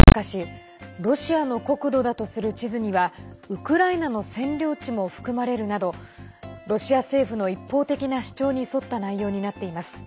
しかしロシアの国土だとする地図にはウクライナの占領地も含まれるなどロシア政府の一方的な主張に沿った内容になっています。